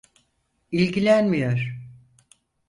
İlgilenmiyor.